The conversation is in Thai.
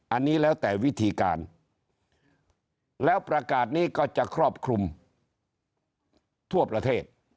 อันนี้แล้วแต่วิธีการแล้วประกาศนี้ก็จะครอบคลุมทั่วประเทศ